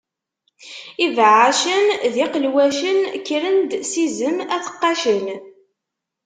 Ibeɛɛacen d iqelwacen, kkren-d s izem ad t-qqacen.